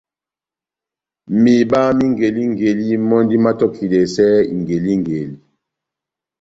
Mihiba má ingelingeli mɔ́ndi mátɔkidɛsɛ ingelingeli.